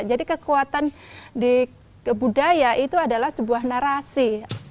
jadi kekuatan di budaya itu adalah sebuah narasi